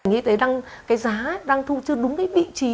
y tế đang thu chứa đúng vị trí